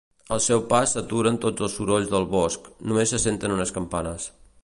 Al seu pas s'aturen tots els sorolls del bosc, només se senten unes campanes.